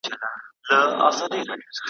شور به سي پورته له ګل غونډیو ,